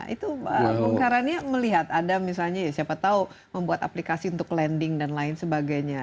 itu mengkaranya melihat ada misalnya siapa tahu membuat aplikasi untuk lending dan lain sebagainya